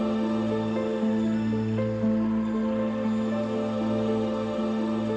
dan berdoa pada yang puasa